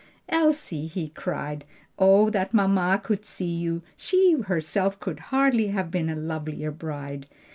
"Elsie!" he cried. "Oh that mamma could see you! she herself could hardly have been a lovelier bride!